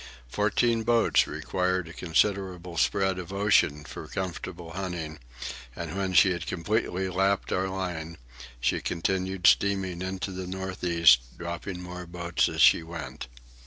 Fourteen boats require a considerable spread of ocean for comfortable hunting, and when she had completely lapped our line she continued steaming into the north east, dropping more boats as she went.